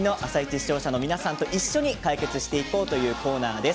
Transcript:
視聴者の皆さんと一緒に解決していこうというコーナーです。